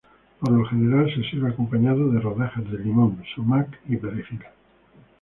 Por lo general, se sirve acompañado de rodajas de limón, sumac y perejil.